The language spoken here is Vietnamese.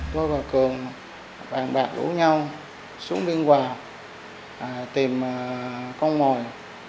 tôi và cường bàn bạc rủ nhau xuống biên hòa tìm con mồi